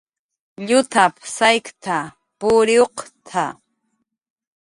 "Llutap"" shaykta puriwq""t""a "